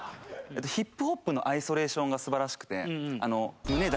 ＨＩＰＨＯＰのアイソレーションが素晴らしくて。